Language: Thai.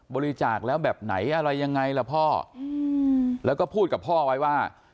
บริจาคแล้วแบบไหนอะไรยังไงล่ะพ่อแล้วก็พูดกับพ่อไว้ว่า